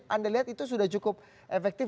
anda lihat itu sudah cukup efektif